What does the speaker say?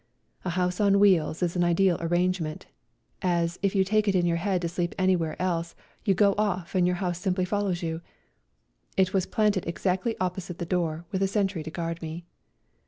A house on wheels is 54 A RIDE TO KALABAC an ideal arrangement, as if you take it into your head to sleep anywhere else you go off and your house simply follows you. It was planted exactly opposite the door, with a sentry to guard me.